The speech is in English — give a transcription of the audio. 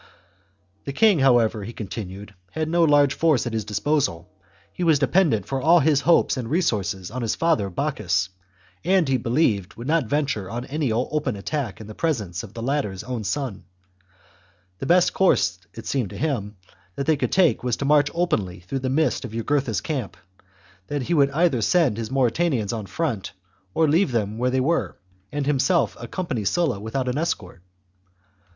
The king, however, he con tinued, had no large force at his disposal, he was dependent for all his hopes and resources on his father Bocchus, and, he believed, would not venture on any THE JUGURTHINE WAR. * 24I Open attack in the presence of the latter's own son ; chap. the best course, it seemed to him, that they could take was to march openly through the midst of Jugurtha's camp ; and he would either send his Mauritanians on in front or leave them where they were, and himself accompany Sulla without any escort.